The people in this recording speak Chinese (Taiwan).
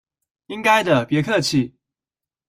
應該的，別客氣！